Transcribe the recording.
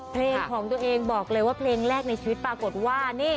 เพลงของตัวเองบอกเลยว่าเพลงแรกในชีวิตปรากฏว่านี่